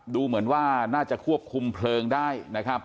ดูเหมือนว่าน่าจะควบคุมเพลิงได้นะครับ